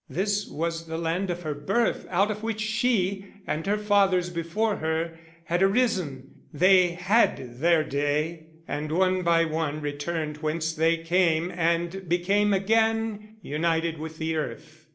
This was the land of her birth out of which she, and her fathers before her, had arisen; they had their day, and one by one returned whence they came and became again united with the earth.